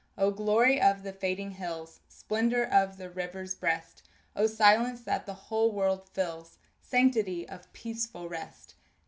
O glory of the fading hills! Splendor of the river's breast! O silence that the whole world fills! Sanctity of peaceful rest!